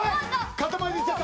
塊でいっちゃった。